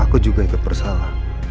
aku juga juga bersalah